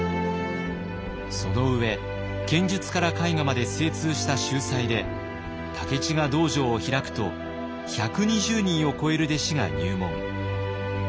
その上剣術から絵画まで精通した秀才で武市が道場を開くと１２０人を超える弟子が入門。